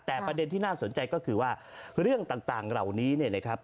แต่ประเด็นที่น่าสนใจก็คือว่าเรื่องต่างเหล่านี้เนี่ยนะครับ